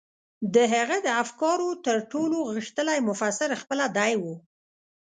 د هغه د افکارو تر ټولو غښتلی مفسر خپله دی و.